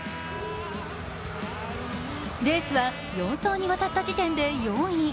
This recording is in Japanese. レースは４走に渡った時点で４位。